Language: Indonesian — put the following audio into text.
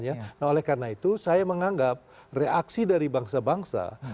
nah oleh karena itu saya menganggap reaksi dari bangsa bangsa